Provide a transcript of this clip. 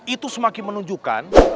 itu semakin menunjukkan